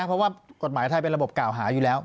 เพราะว่ากฎหมายไทยเป็นระบบกล่าวหาอยู่แล้ว